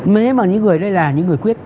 nếu mà những người đấy là những người quyết